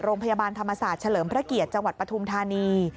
โรงพยาบาลธรรมศาสตร์เฉลิมพระเกียรติจังหวัดปฐุมธานี